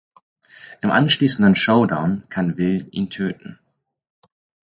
Im anschließenden Showdown kann Will ihn töten.